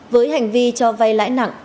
với hành vi cho vay lãi nặng